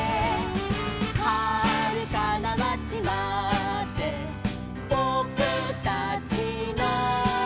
「はるかな町までぼくたちの」